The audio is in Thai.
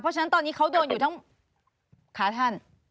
เพราะฉะนั้นตอนนี้เขาโดนอยู่ทั้งขาท่าน